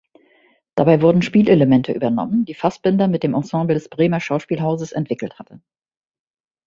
Dabei wurden Spielelemente übernommen, die Fassbinder mit dem Ensemble des Bremer Schauspielhauses entwickelt hatte.